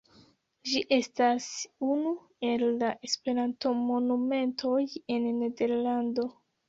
Ĝi estas unu el la Esperantomonumentoj en Nederlando.